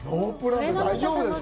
大丈夫ですか？